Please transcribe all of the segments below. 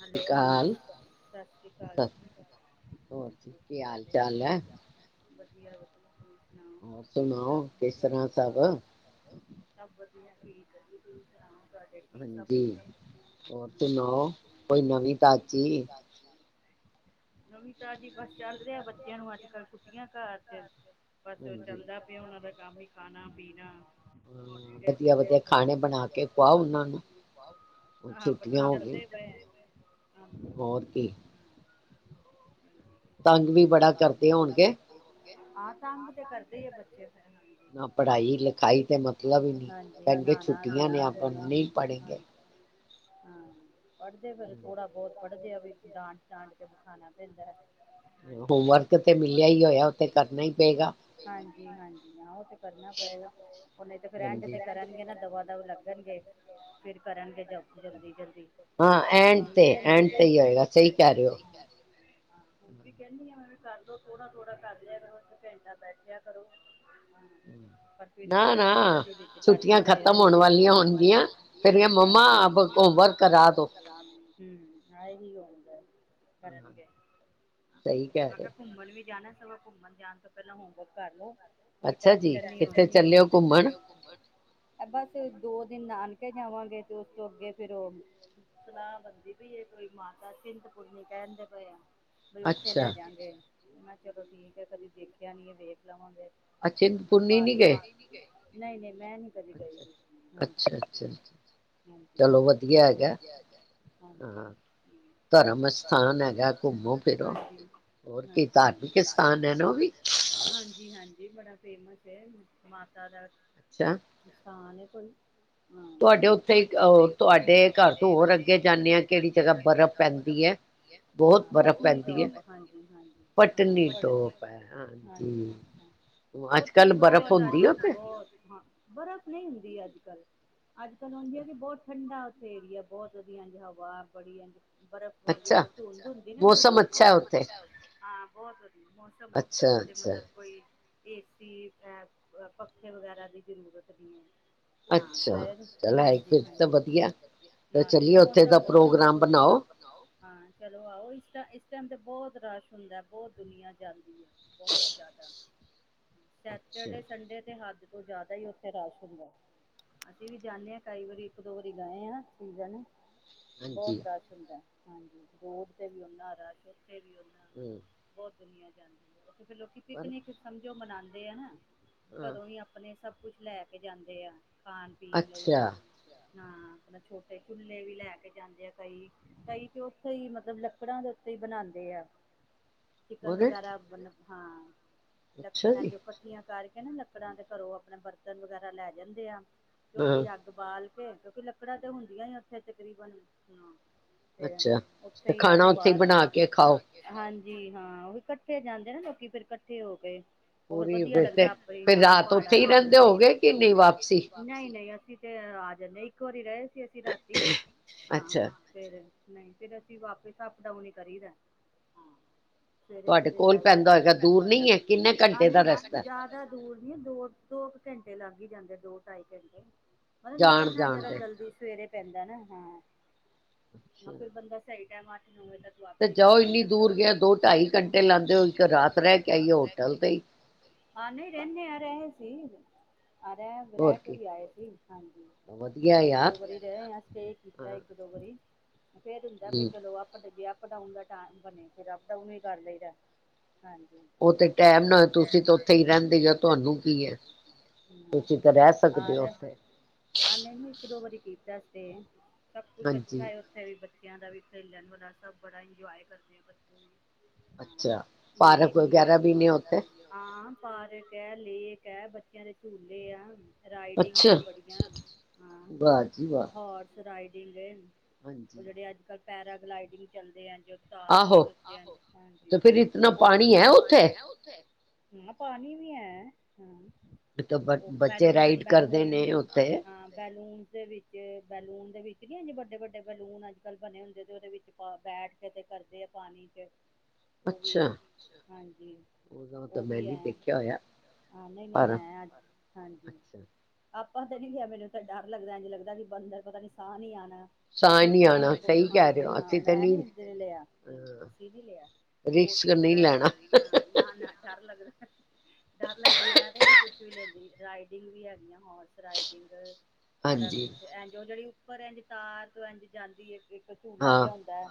ਹਾਂਜੀ ਸਤਿ ਸ੍ਰੀ ਅਕਾਲ, ਸਤਿ ਸ੍ਰੀ ਅਕਾਲ ਜੀ। ਹੋਰ ਕੀ ਹਾਲ-ਚਾਲ ਹੈ? ਵਧੀਆ- ਵਧੀਆ। ਤੁਸੀਂ ਸੁਣਾਓ ਹੋਰ ਠੀਕ ਸੁਣਾਓ। ਠਾਕ ਹੋ ਕਿਸ ਤਰ੍ਹਾਂ ਸਭ। ਸਭ ਵਧੀਆ, ਠੀਕ ਤੁਸੀਂ ਸੁਣਾਓ। ਤੁਹਾਡੇ ਠੀਕ ਸਭ ਹਾਂਜੀ। ਬੱਚੇ ਹੋਰ ਸੁਣਾਓ, ਕੋਈ ਨਵੀਂ ਤਾਜੀ। ਹਾਜੀ। ਨਵੀ ਤਾਜੀ ਬੱਸ। ਚੱਲ ਰਿਹਾ। ਬੱਚਿਆਂ ਨੂੰ ਅੱਜ- ਕੱਲ ਛੁੱਟੀਆਂ ਘਰ ਚ- ਬਸ ਹਾਂਜੀ ਚੱਲਦਾ ਪਿਆ, ਉਹਨਾਂ ਦਾ ਕੰਮ ਹੀ ਖਾਣਾ-ਪੀਣਾ। ਹੋਲੀ ਹਾਂ ਡੇ ਵਧੀਆ ਹੋਮ ਵਧੀਆ ਵਰਕ। ਖਾਣੇ ਬਣਾ ਕੇ ਖਵਾਓ ਉਹਨਾਂ ਨੂੰ ਚਲਦੇ ਪਏ, ਹੋਰ ਕੀ। ਤੰਗ ਵੀ ਬੜਾ ਤੰਗ ਕਰਦੇ ਹੀ ਬੜਾ ਹੋਣਗੇ ਕਰਦੇ ਹੋਣਗੇ, ਹਾਂ ਤੰਗ ਤੇ ਕਰਦੇ ਆ ਬੱਚੇ। ਨਾ ਪੜ੍ਹਾਈ- ਹਾਂਜੀ ਲਿਖਾਈ ਤੇ ਮਤਲਬ ਹੀ ਨਹੀਂ, ਹਾਂਜੀ ਕਹਿਣਗੇ ਨਹਾਣਾ ਛੁੱਟੀਆਂ ਨੇ ਧੋਣਾ ਆਪਾਂ ਵੀ ਨਹੀਂ ਪੜ੍ਹੇਗੇ। ਹਾਂਜੀ ਹਾਂ ਪੜ੍ਹਦੇ ਫੇਰ ਥੋੜਾ, ਬਹੁਤ ਪੜ੍ਹਦੇ ਆ ਵੀ ਡਾਂਟ- ਡਾਂਟ ਕੇ ਬਿਠਾਣਾ ਪੈਂਦਾ ਹੈ। ਹੋਮਵਰਕ ਤੇ ਮਿਲਿਆ ਹੀ ਹੋਇਆ, ਉੱਹ ਤੇ ਕਰਨਾ ਹੀ ਪਏਗਾ। ਹਾਂਜੀ- ਹਾਂਜੀ ਹਾਂ। ਉਹ ਤੇ ਕਰਨਾ ਪਏਗਾ ਕੁਛ, ਉਹ ਨਹੀਂ ਤੇ ਐਂਡ ਹਾਂਜੀ ਤੇ ਕਰਨਗੇ ਨਾ ਦਵਾ- ਦਵ ਲੱਗਣਗੇ। ਫੇਰ ਕਰਨਗੇ ਜ, ਜਲਦੀ- ਜਲਦੀ। ਹਾਂ ਐਂਡ ਹੁਣ ਵੀ ਤੇ, ਕਹਿੰ ਐਂਡ ਤੇ ਹੀ ਹੋਏਗਾ ਸਹੀ ਕਹਿ ਰਹੇ ਹੋ। ਹੁਣ ਵੀ ਕਹਿੰਦੀ ਆ ਕਰ ਲਓ ਥੋੜਾ- ਥੋੜਾ ਕਰ ਲਿਆ ਕਰੋ। ਇੱਕ ਘੰਟਾ ਬੈਠਿਆ ਕਰੋ। ਹਾਂਜੀ ਪਰ ਫਿਰ ਵੀ ਉਹ ਨਾ ਲਟ ਨਾ ਮਸ਼ਤੀ ਵਿੱਚ ਕਰ ਛੁੱਟੀਆਂ ਜਾਂਦੇ। ਖ਼ਤਮ ਛੁੱਟੀਆਂ ਹੋਣ ਖਤਮ ਹੋ ਵਾਲੀਆ ਹੋਣਗੀਆਂ ਹਾਂਜੀ। ਅੱਗੋਂ ਵਰਕ ਕਰਾ। ਬਹੁਤ ਦੋ ਖਰਾਬ, ਹੂੰ ਆਹੀ ਹੋਣਗੇ ਕਰਨਗੇ। ਹਾਂ ਸਹੀ ਕਿਤੇ ਕਹਿ ਮੈਂ ਰਹੇ ਕਿਹਾ ਘੁੰਮਣ ਵੀ ਜਾਣਾ ਸਗੋਂ, ਘੁੰਮਣ ਜਾਣ ਤੋਂ ਪਹਿਲਾਂ ਹੋਮਵਰਕ ਕਰ ਲੋ। ਕੋਈ ਅੱਛਾ ਜੀ ਟੈਨਸ਼ਨ ਨਹੀ ਕਿੱਥੇ ਹੋਗੀ। ਚੱਲੇ ਹੋ ਕਿਤੇ ਘੁੰਮਣ ਚਲੇ ਹੋ ਘੁੰਮਣ ਬਸ ਦੋ-ਦਿਨ ਨਾਨਕੇ ਜਾਵਾਂਗੇ, ਤੇ ਉਸ ਤੋਂ ਅੱਗੇ ਫਿਰ ਉਹ ਸਲਾਹ ਬਣਦੀ ਪਈ ਏ ਕੋਈ ਮਾਤਾ ਚਿੰਤਪੁਰਨੀ ਕਹਿਣਦੇ ਪਏ ਆ। ਬਈ ਉੱਥੇ ਲੈ ਅੱਛਾ ਜਾਂਗੇ। ਮੈਂ ਕਿਹਾ ਚਲੋ ਠੀਕ ਹੈ ਕਦੀ ਦੇਖਿਆ ਨੀ ਹੈ ਵੇਖ ਲਵਾਂਗੇ। ਚਿੰਤਪੁਰਨੀ ਮਾਤਾ ਨੀ ਗਏ ਤੁਸੀ ਨਹੀ ਗਏ। ਨਹੀਂ-ਨਹੀਂ ਮੈਂ ਨੀ ਕਦੇ ਗਈ ਹਾਂਜੀ। ਅੱਛਾ- ਅੱਛਾ ਚਲੋ ਵਧੀਆ ਹੈਗਾ ਵਧੀਆ ਹੈਗਾ ਹਾਂਜੀ ਹਾਂ ਧਰਮ ਅਸਥਾਨ ਹੈਗਾ ਘੁੰਮੋ ਫਿਰੋ ਹਾਂਜੀ, ਹੋਰ ਕੀ ਹਾਂਜੀ, ਹਾਂਜੀ। ਧਾਰਮਿਕ ਸਥਾਨ ਹੈ ਨਾ ਉਹ ਵੀ। ਹਾਂਜੀ ਹਾਂਜੀ ਬੜਾ ਫੇਮਸ ਹੈ ਮਾਤਾ ਦਾ ਅੱਛਾ ਨੁਕਸਾਨ ਏ ਕੋਈ ਹਾਂ, ਤੁਹਾਡੇ ਉੱਥੇ ਇਕ ਤੁਹਾਡੇ ਘਰ ਤੇ ਘਰ ਹੋਰ ਅਗੇ ਜਾਂਦੇ ਆ ਕਿਹੜੀ ਜਗਾ ਬਰਫ਼ ਪੈਂਦੀ ਹੈ ਬਹੁਤ ਬਰਫ਼ ਪੈਂਦੀ ਹੈ ਪਤਨੀਾਪ ਹਾਂਜੀ ਹਾਂਜੀ ਪਟਨੀ ਹਾਂ ਟੋਪ ਹੈ ਹਾਂਜੀ ਹਾਂ ਅੱਜ ਉੱਥੇ ਕੱਲ ਵੀ ਬਰਫ਼ ਹੁੰਦੀ ਬਹੁਤ ਉਥੇ ਬਹੁਤ ਹਾਂ ਬਰਫ਼ ਨਹੀਂ ਹੁੰਦੀ ਅੱਜ- ਕੱਲ, ਅੱਜ- ਕੱਲ ਹੁੰਦੀ ਹੈ ਕਿ ਬਹੁਤ ਠੰਡਾ ਉੱਥੇ ਏਰੀਆ ਬਹੁਤ ਵਧੀਆ ਇੰਜ ਹਵਾ, ਬੜੀ ਇੰਜ ਬਰਫ਼ ਵਰਗੀ, ਅੱਛਾ ਜਿਵੇਂ ਧੁੰਡ ਹੁੰਦੀ ਨਾ ਧੁੰਡ ਅੱਛਾ ਹੈ ਮੌਸਮ ਉੱਥੇ ਅਛਾ ਉੱਥੇ ਬਹੁਤ ਵਧੀਆ। ਮੌਸਮ ਅੱਛਾ ਉੱਥੇ ਮਤਲਬ ਕੋਈ ਏਸੀ ਐਪ ਪੱਖੇ ਵਗੈਰਾ ਦੀ ਜ਼ਰੂਰਤ ਨਹੀਂ ਹੈ। ਹਾਂ ਅੱਛਾ ਗਏ ਚੱਲ ਹੈ ਹਾਂਜੀ ਫਿਰ ਤਾਂ ਹਾਂਜੀ ਵਧੀਆ ਤੇ ਹਾਂ ਨਹੀ ਨਹੀ ਚਲੀਏ ਉੱਥੇ ਦਾ ਮੌਸਮ ਬੋਤ ਪ੍ਰੋਗਰਾਮ ਵਧੀਆ ਬਣਾਓ ਹਾਂ ਚਲੋ ਆਹੋ ਇਸ ਇਸ ਟਾਈਮ ਤੇ ਬਹੁਤ ਰਸ਼ ਹੁੰਦਾ ਬਹੁਤ ਦੁਨੀਆਂ ਜਾਂਦੀ ਏ ਬਹੁਤ ਜ਼ਿਆਦਾ, ਅੱਛਾ ਸੈਚਰਡੇ ਸੰਡੇ ਤੇ ਹੱਦ ਤੋਂ ਜ਼ਿਆਦਾ ਉੱਥੇ ਰਸ਼ ਹੁੰਦਾ ਅਸੀਂ ਵੀ ਜਾਂਦੇ ਹਾਂ ਕਈ ਵਾਰੀ ਇੱਕ ਦੋ ਵਾਰੀ ਗਏ ਹਾਂ। ਠੀਕ ਹੈ ਨਾ ਹਾਂਜੀ ਬੋਤ ਰਸ਼ ਹੁੰਦਾ ਹਾਂਜੀ ਰੋਡ ਤੇ ਵੀ ਉਨਾ ਰਸ਼ ਉੱਥੇ ਵੀ ਉਨਾ। ਹਮ ਬਹੁਤ ਦੁਨੀਆਂ ਜਾਂਦੀ ਉੱਥੇ ਫਿਰ ਲੋਕੀ ਪਰ ਪਿਕਨਿਕ ਸਮਝੋ ਮਨਾਉਂਦੇ ਆ ਨਾ ਹਾਂ ਘਰੋਂ ਹੀ ਆਪ ਆਪਣੇ ਸਭ ਕੁਛ ਲੈ ਕੇ ਜਾਂਦੇ ਆ ਖਾਣ ਪੀਣ ਲਈ ਅੱਛਾ ਹਾਂ। ਆਪਣਾ ਛੋਟੇ ਚੁੱਲ੍ਹੇ ਵੀ ਲੈ ਕੇ ਜਾਂਦੇ ਆ ਕਈ। ਕਈ ਤੇ ਉੱਥੇ ਹੀ ਮਤਲਬ ਲੱਕੜਾਂ ਦੇ ਉੱਤੇ ਹੀ ਬਣਾਉਂਦੇ ਆ। ਚਿਕਨ ਉਹਦੇ ਵਗੈਰਾ ਬਣ ਹਾਂ, ਅੱਛਾ ਲੱਕੜਾਂ ਜੀ ਜੋ ਇਕੱਠੀਆਂ। ਕਰਕੇ ਨਾ ਲੱਕੜਾਂ ਦੇ ਘਰੋਂ ਆਪਣੇ ਬਰਤਨ ਵਗੈਰਾ ਲੈ ਜਾਂਦੇ ਆ ਤੇ ਉੱਥੇ ਹਾਂ ਹੀ ਅਗ। ਉਬਾਲ ਕੇ ਕਿਉਂਕਿ ਲੱਕੜਾਂ ਤੇ ਹੁੰਦੀਆਂ ਉੱਥੇ ਤਕਰੀਬਨ। ਹਮ ਤੇ ਅੱਛਾ ਉਥੇ ਤੇ ਹੀ ਅੱਗ ਖਾਣਾ ਉੱਥੇ ਹੀ ਬਾਲ ਬਣਾ ਕੇ ਖਾਓ ਹਾਂਜੀ ਹਾਂ ਉਹ ਇਕੱਠੇ ਜਾਂਦੇ ਨਾ ਲੋਕੀ ਫੇਰ ਇਕੱਠੇ ਹੋ ਕੇ। ਹੋਰ ਪੂਰੀ ਵਧੀਆ ਵੈਸੇ ਲੱਗਦਾ ਆਪੇ ਈ ਫਿਰ ਜਾਣ ਰਾਤ ਪਾੜਾਂ ਉੱਥੇ ਹੀ ਤੇ [unintelligible] ਰਾਤ ਰਹਿੰਦੇ ਓਥੇ ਈ ਹੋਗੇ ਰੈਂਦੇ ਕਿ ਨਹੀਂ ਹੋਵੋਗੇ ਕਿ ਵਾਪਸੀ ਨਈ ਵਾ ਨਈ-ਨਈ ਅਸੀਂ ਤੇ ਆ ਜਾਂਨੇ ਇੱਕ ਵਾਰੀ ਰਏ ਸੀ ਅਸੀਂ ਰਾਤੀ ਹਾਂ। ਅੱਛਾ ਫੇਰ ਨਈ ਫੇਰ ਅਸੀਂ ਵਾਪਿਸ ਅਪ ਡਾਊਨ ਈ ਕਰੀਦਾ, ਹਾਂ। ਤੁਹਾਡੇ ਸਵੇਰੇ-ਸਵੇਰੇ ਕੋਲ ਜਾਈਦਾ ਤੁਆਡੇ ਪੈਂਦਾ ਕੋਲ ਹੋਏਗਾ ਪੈਂਦਾ ਦੂਰ ਹੋਵੇਗਾ ਨਹੀਂ ਹੈ ਦੂਰ ਕਿੰਨੇ ਨਈ ਏ ਆ ਘੰਟੇ ਦਾ ਨੀ ਏ ਰਸਤਾ ਜਾਦਾ। ਦੂਰ ਨੀ ਦੋ-ਦੋ ਕੁ ਕੰਟੇ ਲੱਗ ਈ ਜਾਂਦੇ ਦੋ ਢਾਈ ਕੰਟੇ ਮਤਲਬ ਜਾਣ ਨਿਕਲਣਾ ਜਾਣ ਜਰਾ ਦੇ ਸਵੇਰੇ ਪੈਂਦਾ ਨਾ ਹਾਂ, ਫਿਰ ਬੰਦਾ ਸਈ ਟੈਮ ਅੱਠ-ਨੌ ਵਜੇ ਤੱਕ ਤੇ ਵਾਪਸੀ ਕਰ ਜਾਓ ਇੰਨੀ ਲੈਂਦਾ ਵੀ ਦੂਰ ਗਿਆ ਦੋ ਢਾਈ ਘੰਟੇ ਲਾਦੇ ਓ ਇੱਕ ਰਾਤ ਰੈ ਕੇ ਆਈਏ ਹੋਟਲ ਤੇ ਈ। ਹਾਂ ਨਈ ਰੈਨੇ ਆ ਰਏ ਸੀ, ਆ ਰੈ ਵੀ ਹੋਰ ਹੈ ਕੇ ਕੀ ਵੀ ਆਏ ਸੀ, ਹਾਂਜੀ ਵਧੀਆ ਯਾਰ ਇੱਕ-ਦੋ ਵਾਰੀ ਰਏ ਆਂ ਸਟੇ ਹਾਂ ਕੀਤਾ ਏਕ-ਦੋ ਵਰੀ ਫੇਰ ਹੁੰਦਾ ਵੀ ਹੂੰ ਚਲੋ ਅਪ ਡ ਜੇ ਅਪ ਡਾਊਨ ਦਾ ਟੈਮ ਬਣੇ ਫੇਰ ਅਪ ਡਾਊਨ ਵੀ ਕਰ ਲਈਦਾ। ਹਾਂਜੀ, ਉਹ ਤੇ ਟੈਮ ਓ ਨਾ ਦਿਨ ਤੁਸੀਂ ਡੈਮ ਤਾਂ ਨਾਲ ਉੱਥੇ ਹੋ ਹੀ ਤੁਸੀਂ ਰਹਿੰਦੇ ਹੋ ਓਥੇ ਈ ਤੁਹਾਨੂੰ ਰੈਂਦੇ ਹੋ ਕੀ ਹੈ ਤੁਆਨੂੰ ਕੀ ਏ। ਹੂੰ ਤੁਸੀਂ ਤਾਂ ਰਹਿ ਆਹ ਸਕਦੇ ਹੋ ਰਸ ਉੱਥੇ ਹਾਂ ਨਈ-ਨਈ ਏਕ-ਦੋ ਵਾਰੀ ਕੀਤਾ ਸਟੇ, ਸਭ ਕੁਛ ਅੱਛਾ ਹਾਂਜੀ ਐ ਓ ਓਥੇ ਵੀ ਬੱਚਿਆਂ ਦਾ ਵੀ ਖੇਲਣ ਵਾਲਾ ਸਭ ਬੜਾ ਇੰਜੋਏ ਕਰਦੇ ਆ ਬੱਚੇ ਵੀ। ਹਾਂ ਅੱਛਾ ਪਾਰਕ ਲੇਕ ਵੀ ਵਗੈਰਾ ਹੈਗੀ ਨੇ [unintelligible] ਜਾਦਾ‌ ਉੱਥੇ ਪੀਲੀ ਹਾਂ ਪਾਰਕ ਐ, ਲੇਕ ਐ, ਬੱਚਿਆਂ ਦੇ ਝੂਲੇ ਆ। ਰਾਈਡਿੰਗਸ ਏ ਬੜੀਆਂ। ਹਾਂ ਵਾ ਜੀ ਵਾਹ। ਹੋਰਸ ਰਾਈਡਿੰਗ ਏ, ਓ ਹਾਂਜੀ ਜੇੜੇ ਅੱਜ-ਕੱਲ ਪੈਰਾਗਲਾਈਡਿੰਗ ਚੱਲਦੇ ਐੰਜ ਆਹੋ ਤੇ ਫਿਰ ਇਤਨਾ ਪਾਣੀ ਹੈ [unintelligible] ਉੱਥੇ ਪਾਨੀ ਐ ਓੱਥੇ ਹਾਂ ਪਾਨੀ ਵੀ ਐ, ਹਾਂ ਓ ਬੱਚੇ ਰਾਈਡ ਬੈਲੂਨ-ਬੈਲੂਨ ਕਰਦੇ ਰਾਈਡ ਕਰਦੇ ਨੇ, ਉੱਥੇ ਹਾਂ। ਬੈਲੂਨ ਦੇ ਵਿੱਚ ਬੈਲੂਨ ਦੇ ਵਿੱਚ ਨੀ ਏਂਜ ਵੱਡੇ-ਵੱਡੇ ਬੈਲੂਨ ਅੱਜ-ਕੱਲ ਬਣੇ ਹੁੰਦੇ ਤੇ ਓਦੇ ਵਿੱਚ ਪ ਬੈਠ ਕੇ ਤੇ ਕਰਦੇ ਆ ਪਾਨੀ ਚ ਓਵੀ, ਅੱਛਾ ਹਾਂਜੀ, ਉਦੋਂ ਤਾਂ ਮੈਂ ਓਵੀ ਨੀ ਐ। ਦੇਖਿਆ ਹੋਇਆ ਹਾਂ ਨਈ-ਨਈ ਪਰ ਹੈ ਅੱਜ ਹਾਂਜੀ, ਅੱਛਾ ਆਪਾਂ ਤੇ ਨੀ ਗਿਆ ਮੈਨੂੰ ਤੇ ਡਰ ਲੱਗਦਾ ਏਝ ਲੱਗਦਾ ਕਿ ਬੰਦਰ ਪਤਾ ਨੀ ਸਾਹ ਨੀ ਆਣਾ ਓ ਸਾਹ ਜਿਪ ਨਹੀਂ ਆਣਾ ਲਾਈਨ ਸਹੀ ਕਹਿ ਰਹੇ ਹਾਂਜੀ ਹੋ ਹਾਂ ਅਸੀਂ ਤਾਂ ਮੈਂ ਨਹੀਂ ਨੀ ਲਯਾ ਹ ਅ ਅਸੀਂ ਨੀ ਲਯਾ। ਰਿਸਕ ਬੋਟਿੰਗ ਨਹੀਂ ਵਗੈਰਾ ਲੈਣਾ [unintelligible] ਨਾ-ਨਾ ਡਰ ਲੱਗਦਾ, ਡਰ ਲੱਗਦਾ ਮੈਂ ਤਾਂ ਨੀ ਕੁੱਛ ਵੀ ਲੈਂਦੀ ਰਾਈਡ ਟੀਗ ਵੀ ਹੈਗੀਆਂ ਹੋਰਸ ਰਾਈਡਿੰਗ, ਬੜਾ ਹਾਂਜੀ ਕੁਛ ਐਂਝ ਓ ਜੋ ਜੇੜੀ ਫਰ ਏਝ ਤਾਰ ਤੋਂ ਏਝ ਜਾਂਦੀ ਏ, ਏਕ ਝੂਲਾ ਹਾਂ ਜੇਆ ਹੁੰਦਾ ਐ,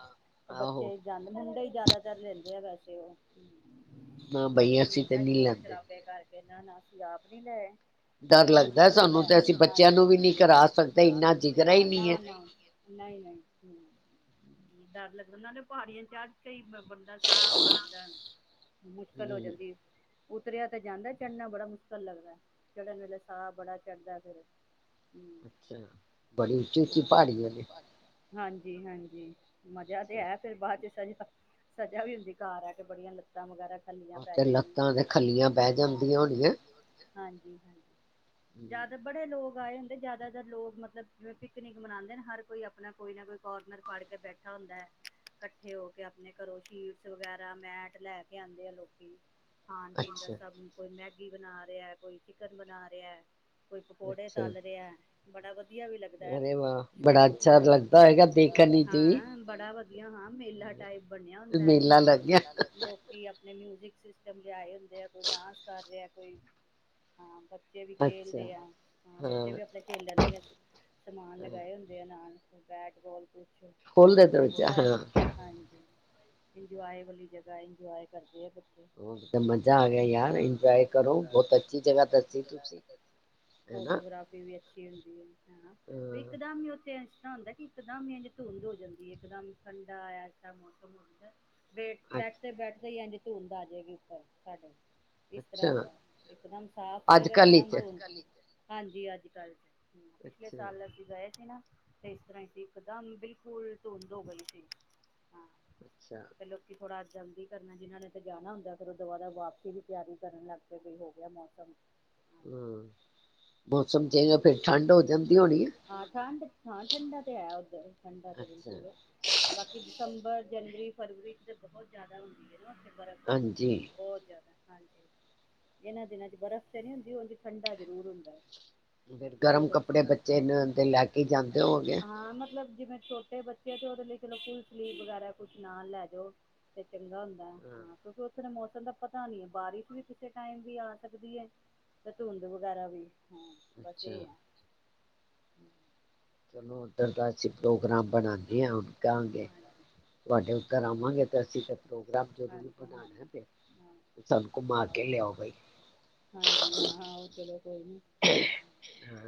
ਓ ਆਹੋ ਬੱਚੇ ਜਾਂਦੇ ਮੁੰਡੇ ਈ ਜ਼ਿਆਦਾਤਰ ਲੈਂਦੇ ਆ ਵੈਸੇ ਓ ਨਾ ਬਈ ਮੁੰਡਿਆਂ ਨੂੰ ਅਸੀਂ ਤੇ ਹੁੰਦਾ ਨਹੀਂ ਸ਼ੋਰ ਲੈਂਦੇ ਸ਼ਰਾਬੇ ਕਰਕੇ ਨਾ-ਨਾ ਅਸੀਂ ਆਪ ਨੀ ਲੈਏ ਮੈਂ ਡਰ ਤੇ ਝੂਲਾ ਲੱਗਦਾ ਵੀ ਲੇ ਸਾਨੂੰ ਤੇ ਅਸੀਂ ਬੱਚਿਆਂ ਨੂੰ ਹਾਂਜੀ ਵੀ ਨਹੀਂ ਬੱਚਿਆਂ ਨੂੰ ਕਰਾ ਵੀ ਕੀ ਸਕਦੇ ਕਰਾ ਇੰਨਾ ਸਕਦੇ ਜਿਗਰਾ ਹੀ ਨਹੀਂ ਹੈ ਨਾ-ਨਾ ਨਈ-ਨਈ ਰੂੰ ਡਰ ਲੱਗਦਾ ਨਾਲੇ ਪਾੜੀਆਂ ਚੜ ਕੇ ਈ ਬੰਦਾ ਸਾਹ ਹੋ ਜਾਂਦਾ, ਮੁਸ਼ਕਿਲ ਹੋ ਹਮ ਜਾਂਦੀ। ਉਤਰਿਆ ਤੇ ਜਾਂਦਾ ਚੜ੍ਹਨਾ ਬੜਾ ਮੁਸ਼ਕਿਲ ਲੱਗਦਾ ਏ, ਚੜ੍ਹਨ ਵੇਲੇ ਸਾਹ ਬੜਾ ਚੜਦਾ ਫੇਰ ਅ ਅੱਛਾ, ਬੜੀ ਉੱਚੀ-ਉੱਚੀ ਪਾੜੀਆ ਨੇ ਹਾਂਜੀ-ਹਾਂਜੀ ਮਜਾ ਤੇ ਐ ਫੇਰ ਬਾਦ ਚ ਸਜ਼ਾ, ਸਜ਼ਾ ਵੀ ਹੁੰਦੀ ਕਾੱਰ ਆ ਕੇ ਬੜੀਆਂ ਲੱਤ ਕੰਮ ਵਗੈਰਾ ਖੱਲੀਆਂ ਪੈ ਤੇ ਜਾਂਦੀਆਂ ਲੱਤਾਂ ਤੇ ਖੱਲੀਆਂ ਬਹਿ ਜਾਂਦੀਆਂ ਹੋਣੀਆਂ ਹਾਂਜੀ-ਹਾਂਜੀ ਜਾ ਤਾਂ ਬੜੇ ਲੋਕ ਆਏ ਹ ਜਿਆਦਾਤਰ ਲੋਕ ਮਤਲਬ ਜਿਵੇਂ ਪਿਕਨਿਕ ਮਨਾਦੇ ਨੇ ਹਰ ਕੋਈ ਅਪਣਾ ਕੋਈ ਨਾ ਕੋਈ ਕੋਨਰ ਫੜ ਕੇ ਬੈਠਾ ਹੁੰਦਾ। ਕੱਠੇ ਹੋ ਕੇ ਆਪਣੇ ਘਰੋਂ ਸ਼ੀਟਸ ਵਗੈਰਾ ਮੈਟ ਲੈ ਕੇ ਆਂਦੇ ਆ ਲੋਕੀ। ਖਾਣ-ਪੀਣ ਦਾ ਅੱਛਾ ਸਭ ਨੂੰ ਕੋਈ ਮੈਗੀ ਬਣਾ ਰਿਆ, ਕੋਈ ਚਿਕਨ ਬਣਾ ਰਿਆ, ਕੋਈ ਪਕੌੜੇ ਅੱਛਾ ਤਲ ਐ, ਬੜਾ ਵਧੀ ਵਧੀਆ ਵੀ ਲੱਗਦਾ ਐ, ਅਰੇ ਵਾਹ [unintelligible] ਬੜਾ ਲੱਗਦਾ ਅੱਛਾ ਹੋਏਗਾ ਲੱਗਦਾ ਦੇਖਣ ਹੋਏਗਾ, ਵਿੱਚ ਵੇਖਣ ਵੀ ਨੂੰ। ਹਾਂ ਬੜਾ ਵਧੀਆ ਹਾਂ। ਮੇਲਾ ਟਾਈਪ ਬਣਿਆ ਹੁੰਦੈ, ਮੇਲਾ ਬੜਾ ਅੱਛਾ, ਲੱਗਿਆ ਮੇਲਾ ਲਗਿਆ ਲੋਕ ਕੀ ਆਪਣੇ ਮਿਊਜਿਕ ਸਿਸਟਮ ਲਿਆਏ ਹੁੰਦੇ ਆ, ਕੋਈ ਡਾਂਸ ਕਰ ਰਿਆ, ਕੋਈ ਹਾਂ ਬੱਚੇ ਵੀ ਅੱਛਾ ਖੇਲਦੇ ਆ। ਹਾਂ, ਬੱਚੇ ਵੀ ਆਪਣੇ ਖੇਲਣ ਦੀਆਂ ਸਮਾਨ ਹਾਂ ਲਗਾਏ ਹੁੰਦੇ ਨਾਲ ਬੈਟਬਾਲ ਕੁਛ ਖੋਲਦੇ ਦਰਵਾਜ਼ਾ ਇੰਜੋਏ ਹਾਂ ਹਾਂਜੀ, ਇੰਜੋਏ ਵਾਲੀ ਜਗ੍ਹਾ ਏ ਇੰਜੋਏ ਕਰਦੇ ਆ ਬਚ ਤੇ ਮਜ਼ਾ ਆ ਗਿਆ ਯਾਰ। ਇੰਜੋਏ ਕਰੋ, ਬੋਤ ਅੱਛੀ ਜਗ੍ਹਾ ਦੱਸੀ ਤੁਸੀਂ। ਹਨਾ ਫੋਟੋਗ੍ਰਾਫੀ ਵੀ ਅੱਛੀ ਹੁੰਦੀ ਐ ਹੈਨਾਂ? ਇੱਕਦਮ ਈ ਉੱਥੇ ਏਸ ਏਦਾਂ ਹੁੰਦਾ ਕਿ ਇਕਦਮ ਇੰਝ ਧੁੰਧ ਹੋ ਜਾਂਦੀ ਏ, ਇਕਦਮ ਠੰਡਾ ਐਸਾ ਮੌਸਮ ਹੋ ਜਾਂਦਾ। ਬੇਠ, ਅ ਬੈਠਦੇ-ਬੈਠਦੇ ਈ ਇੰਝ ਧੁੰਧ ਆਜੇਗੀ ਉੱਪਰ, ਸਾਡੇ। ਇਸ ਤਰ੍ਹਾਂ ਅੱਛਾ ਹੁੰਦਾ ਇਕਦਮ ਸਾਫ਼ ਅੱਜ ਹੋਏਗਾ, ਇੱਕ ਕੱਲ ਹੀ ਦੱਮ ਚ ਧੁੰ, ਅੱਜ-ਕਲ ਇੱਚ? ਹਾਂਜੀ, ਅੱਜ-ਕਲ ਚ। ਹਂ, ਪਿਛਲੇ ਅੱਛਾ ਸਾਲ ਅਸੀਂ ਗਏ ਸੀ ਨਾ ਤੇ ਇਸ ਤਰ੍ਹਾਂ ਈ ਸੀ, ਇਕਦਮ ਬਿਲਕੁਲ ਧੁੰਦ ਹੋ ਗਈ ਸੀ। ਹਾਂ। ਅੱਛਾ। ਕੀ ਲੋਕੀ ਥੋੜਾ ਜਲਦੀ ਕਰਨਾ ਜਿਨ੍ਹਾਂ ਨੇ ਤੇ ਜਾਣਾ ਹੁੰਦਾ, ਫਿਰ ਓ ਦਵਾਦਵ ਵਾਪਸੀ ਦੀ ਤਿਆਰੀ ਕਰਨ ਲੱਗ ਪਏ। ਬੀ ਹੋ ਗਿਆ ਮੌਸਮ ਹਂ, ਮੌਸਮ ਚੇਂਜ ਹੋਇਆ ਫੇਰ ਠੰਡ ਹੋ ਜਾਂਦੀ ਹੋਣੀ ਐ। ਹਾਂ ਠੰਢ, ਹਾਂ ਠੰਡਾ ਤੇ ਹੈ ਉੱਧਰ, ਠੰਡਾ ਤੇ ਅੱਛਾ ਬਿਲਕੁਲ ਏ। ਬਾਕੀ ਦਿਸੰਬਰ, ਜਨਵਰੀ, ਫਰਵਰੀ ਚ ਬਹੁਤ ਜਿਆਦਾ ਹੁੰਦੀ ਐ ਨਾ ਉੱਥੇ ਬਰਫ਼। ਹਾਂਜੀ। ਬਹੁਤ ਜ਼ਿਆਦਾ, ਹਾਂਜੀ। ਇਨ੍ਹਾਂ ਦਿਨਾਂ ਚ ਬਰਫ਼ ਤੇ ਨ੍ਹੀਂ ਹੁੰਦੀ। ਓਂਝ ਠੰਡਾ ਜ਼ਰੂਰ ਹੁੰਦਾ ਐ। ਫਿਰ ਗਰਮ ਬੋਤ ਅੱਛਾ, ਕੱਪੜੇ ਬੱਚੇ ਨੂੰ [unintelligible] ਤੇ ਲੈ ਕੇ ਜਾਂਦੇ ਹੋਗੇ ਹਾਂ ਮਤਲਬ ਜਿਵੇਂ ਛੋ ਤੇ ਬੱਚੇ ਤੇ ਓਦੇ ਲਈ ਚਲੋ ਕੋਈ ਫੁਲ ਸਲੀਵ ਵਗੈਰਾ ਕੁਝ ਨਾਲ ਲੈ ਜੋ ਤੇ ਚੰਗਾ ਹੁੰਦਾ। ਹਾਂ, ਕਿਉਂਕਿ ਓਥੇ ਦਾ ਮੌਸਮ ਦਾ ਪਤਾ ਨੀਂ ਐ, ਬਾਰਿਸ਼ ਵੀ ਕਿਸੇ ਟਾਈਮ ਵੀ ਆ ਸਕਦੀ ਐ। ਤੇ ਧੁੰਦ ਵਗੈਰਾ ਵੀ। ਹਾਂ, ਬਸ ਏ ਅੱਛਾ ਆ। ਚਲੋ, ਓਧਰ ਦਾ ਅਸੀਂ ਪ੍ਰੋਗਰਾਮ ਬਣਾਣੇ ਆਂ ਹੁਣ ਕਾਂਅ ਗੇ। ਹਾਂਜੀ, ਤੁਆਡੇ ਘਰ ਆਵਾਂਗੇ ਤੇ ਅਸੀਂ ਤਾ ਪ੍ਰੋਗਰਾਮ ਜ਼ਰੂਰ ਹਾਂਜੀ, ਬਣਾ ਹਾਂਜੀ ਵਾਂਗੇ। ਹਾਂ। ਸਾਨੂੰ ਘੁਮਾ ਕੇ ਲਿਆਓ ਬਾਈ। ਹਾਂਜੀ ਹਾਂ, ਓ ਚਲੋ। ਕੋਈ ਨੀ, ਹਾਂ,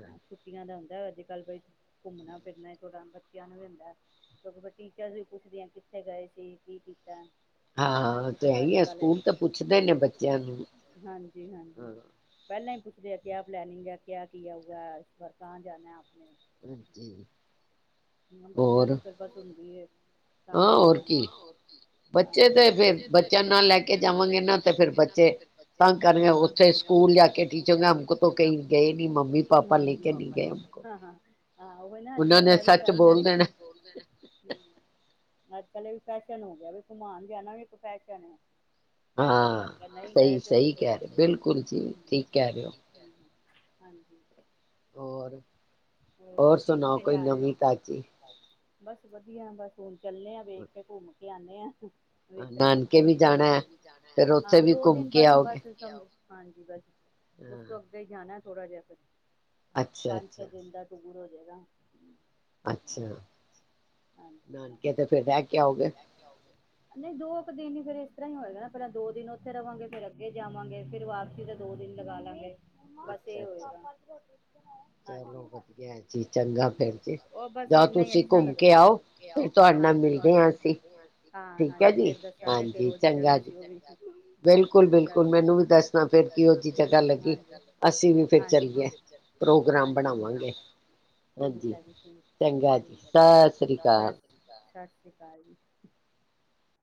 ਹਾਂ ਛੁੱਟੀਆਂ ਦਾ ਹੁੰਦਾ ਅੱਜ-ਕਲ ਬਈ ਘੁੰਮਣਾ-ਫਿਰਨਾ ਬੱਚਿਆਂ ਨੂੰ ਵੀ ਹੁੰਦਾ ਕਿਉਂਕਿ ਫਿਰ ਟੀਚਰ ਵੀ ਪੁੱਛਦੀ ਐਂ ਕਿੱਥੇ ਗਏ ਸੀ, ਕੀ ਕੀਤਾ। ਹਰ ਹਾਂ ਤੇ ਕਿਸੇ ਹੈ ਦਾ ਹੀ ਆ ਅੱਜ-ਕਲ ਸਕੂਲ ਤਾਂ ਹਾਂਜੀ, ਪੁੱਛਦੇ ਨੇ ਬੱਚਿਆਂ ਨੂੰ [unintelligible] ਹਾਂਜੀ। ਪੈਲਾਂ ਈ ਪੁੱਛਦੇ ਆ, ਕਿਆ ਪਲੈਨਿੰਗ ਐ, ਕਿਆ ਕੀਆ ਹੂਆ ਐ, ਇਸ ਵਾਰ ਕਹਾਂ ਜਾਣਾ ਆਪਨੇ। [inaudible] ਬੱਚਿਆਂ ਹੋਰ ਲਈ ਫਿਰ ਬਸ ਹੁੰਦੀ ਐ। ਹਾਂ ਤਾਂਗ ਹੋਰ ਜਾਣਾ ਏ, ਕੀ ਹਾਂ ਹੋਰ ਕੀ, ਬੱਚੇ ਹਾਂਜੀ। ਤੇ ਫਿਰ ਬੱਚੇ ਤੇ ਬੱਚਿਆਂ ਫਿਰ ਨਾਲ ਲੈ ਕੇ ਬੱਚਿਆਂ ਨਾਲ ਲੈ ਜਾਵਾਂਗੇ ਕੇ ਨਾ ਤੇ ਫਿਰ ਜਾਵਾਂਗੇ ਨਾ ਬੱਚੇ ਤੇ ਫਿਰ ਬਚ ਤੇ ਤੰਗ ਕਰਗੇ ਤੰਗ ਉੱਥੇ ਕਰਰੇ ਦੇ ਸਕੂਲ ਜਾ ਓਥੇ ਕੇ ਸਕੂਲ ਟੀਚਰ ਜਾ ਕੇ ਹਮਕੋ ਤੋਂ ਟੀਚਰ ਨਾਂ ਕਹੀ ਉਸਕੋ ਗਏ ਨੀ ਕਏ, ਮੰਮੀ ਕਏਗੀ ਪਾਪਾ ਲੈ ਹਾਂਜੀ ਕੇ ਨਹੀਂ ਪਾਪਾ ਗਏ ਲੈ ਕੇ ਹਮਕੋ ਹਾਂ ਹਾਂ, ਓਹੀ ਨਾਂ ਉਹਨਾਂ ਅੱਜ-ਕਲ ਦਾ ਨੇ ਐਵੀਂ ਸੱਚ ਫੈਸ਼ਨ, ਨਿਆਣੇਂ ਬੋਲ ਦੇਣਾ ਸਚ ਬੋਲਦੇ ਨੇ। ਹਂ। ਅੱਜ-ਕਲ ਏ ਵੀ ਫੈਸ਼ਨ ਹੋ ਗਿਆ, ਵੀ ਘੁਮਾਣ ਜਾਣਾ ਵੀ ਇੱਕ ਫੈਸ਼ਨ ਐ। ਫੈਸਲ ਹਾਂ ਬਣ ਗਿਆ, ਨਈਂ ਗਏ ਸਹੀ ਤੇ ਓਵੀ ਸਹੀ ਬਈ, ਕਹਿ ਰਹੇ ਹਾਂ ਸਈ ਗਲ, ਬਿਲਕੁਲ ਜੀ ਬਿਲਕੁਲ ਠੀਕ ਕਹਿ ਰਹੇ ਹੋ ਸਈ। ਹਾਂਜੀ। ਹੋਰ? ਹੋਰ ਤੁਸੀਂ ਸੁਣਾਓ ਕਿੱਥੇ ਕੋਈ ਜਾ ਰੇ ਨਵੀਂ ਓ? ਤਾਜ਼ੀ ਬਸ ਵਧੀਆ, ਬਸ ਹੁਣ ਚੱਲੇ ਆਂ, ਵੇਖ ਕੇ ਘੁੰਮ ਕੇ ਆਨੇ ਆ। ਵੇਖਣੇ ਆ, ਉਥੇ ਨਾਨਕੇ ਹੁਣ ਵੀ ਜਾਣਾ ਹੈ ਫਿਰ ਉੱਥੇ ਜਾਣਾ, ਵੀ ਦੋ ਘੁੰਮ ਦਿਨ ਕੇ ਆਓਗੇ ਬਸ-ਬਸ ਹਾਂਜੀ ਬਸ, ਉਸ ਤੋਂ ਹਾਂ ਅੱਗੇ ਹੀ ਜਾਣਾ ਥੋੜ੍ਹਾ ਜਿਹਾ, ਫਿਰ ਪੰਜ ਛੇ ਅੱਛਾ-ਅੱਛਾ। ਦਿਨ ਦਾ ਟੂਰ ਹੋ ਜਾਏਗਾ। ਅੱਛਾ, ਨਾਨਕੇ ਤੇ ਫਿਰ ਰਹਿ ਕੇ ਆੳਗੇ? ਜਾਉਗੇ ਨਹੀਂ ਦੋ ਕੇ ਦਿਨ ਹੀ, ਫਿਰ ਇਸ ਤਰ੍ਹਾਂ ਹੀ ਹੋਏਗਾ ਨਾ, ਪਹਿਲਾਂ ਦੋ ਦਿਨ ਉੱਥੇ ਰਹਾਂਗੇ, ਫੇਰ ਅੱਗੇ ਜਾਵਾਂਗੇ। ਫੇਰ ਵਾਪਸੀ ਦਾ ਦੋ ਦਿਨ ਲਗਾ ਲਾਂਗੇ, ਬਸ ਅੱਛਾ ਇਹ ਅੱਛਾ ਹੋਏਗਾ। ਚਲੋ ਹਾਂਜੀ ਵਧੀਆ ਜੀ ਚੰਗਾ ਹਾਂ ਫਿਰ ਬਸ ਜੀ, ਉਹ ਬਸ ਜਾਂਓ ਇੰਨਾ ਹੀ ਤੁਸੀਂ ਅੱਛਾ ਘੁੰਮ ਕੇ ਲੱਗਦਾ ਆਓ ਫਿਰ ਤੁਹਾਡੇ ਨਾਲ ਹਾਂਜੀ ਮਿਲਦੇ ਹਾਂ ਅਸੀਂ, ਹਾਂ ਠੀਕ ਹੈ ਹਾਂਜੀ ਜੀ, ਫੇਰ ਦੱਸਾਂਗੇ ਹਾਂਜੀ ਕਿਹੋ ਜਿਹੀ ਚੰਗਾ ਜਗ੍ਹਾ ਜੀ। ਸੀ ਉਹ ਵੀ ਹਾਂਜੀ ਜੀ ਬਿਲਕੁਲ-ਬਿਲਕੁਲ, ਸਤਿ ਮੈਨੂੰ ਵੀ ਦੱਸਦਾ ਫੇਰ ਕਹੋਜੀ ਜਗਗਾ ਸ਼੍ਰੀ ਲੱਗੀ, ਅਕਾਲ। ਅਸੀਂ ਵੀ ਫੇਰ ਹਾਂਜੀ ਚੱਲਏ। ਹਾਂਜੀ, ਠੀਕ ਆ ਜੀ ਠੀਕ, ਚੰਗਾ ਜੀ ਸਤਿ ਸ੍ਰੀ ਸ੍ਰੀ ਅਕਾਲ। ਸਤਿ ਸ਼੍ਰੀ ਅਕਾਲ ਜੀ।